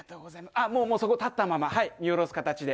あっもうもうそこ立ったままはい見下ろす形で。